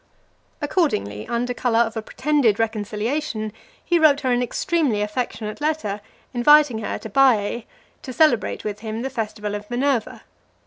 Accordingly, under colour of a pretended reconciliation, he wrote her an extremely affectionate letter, inviting her to Baiae, to celebrate with him the festival of Minerva.